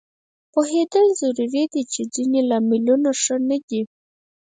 پوهېدل ضروري دي چې ځینې لاملونه ښه نه دي